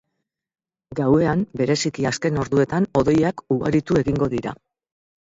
Gauean, bereziki azken orduetan, hodeiak ugaritu egingo dira.